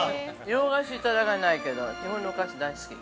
洋菓子いただかないけど、日本のお菓子、大好き。